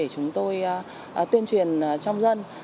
tuyên truyền trong dân